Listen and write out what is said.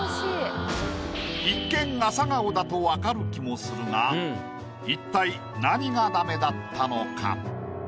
一見アサガオだと分かる気もするが一体何がダメだったのか？